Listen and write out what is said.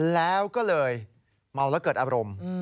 แล้วก็เลยเมาแล้วเกิดอารมณ์